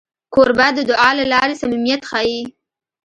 کوربه د دعا له لارې صمیمیت ښيي.